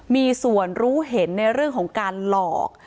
มีส่วนรู้เห็นในเรื่องของการหลอก